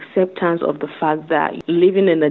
sebenarnya membutuhkan perubahan itu